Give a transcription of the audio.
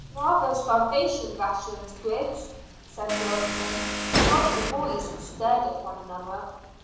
"Rather starvation rations, Griggs," said Wilton, while the boys stared at one another.